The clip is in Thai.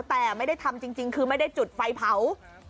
แต่ไม่ได้ทำจริงคือไม่ได้จุดไฟเผา